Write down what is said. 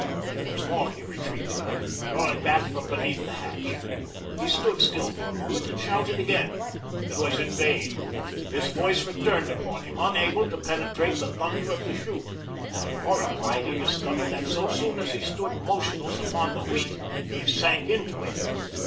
Once more he retreated, drawing back from beneath the hatch. He stood still for a moment and shouted again. It was in vain. His voice returned upon him, unable to penetrate the thunder of the chute, and horrified, he discovered that so soon as he stood motionless upon the wheat, he sank into it.